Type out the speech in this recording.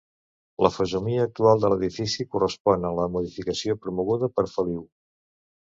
La fesomia actual de l'edifici correspon a la modificació promoguda per Feliu.